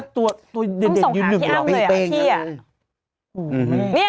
ตัวเด่นยึดหนึ่งต้องส่งหาพี่อ้ำเลยแหละ